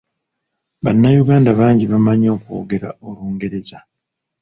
Bannayuganda bangi bamanyi okwongera Olungereza.